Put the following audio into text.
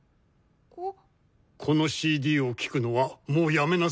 このＣＤを聴くのはもうやめなさい。